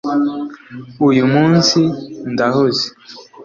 uyu munsi ndahuze